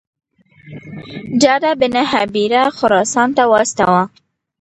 جعده بن هبیره خراسان ته واستاوه.